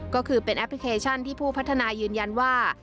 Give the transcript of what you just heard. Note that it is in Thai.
ก็คือเป็นแอปพลิเคชันที่ผู้พัฒนายืนยันว่า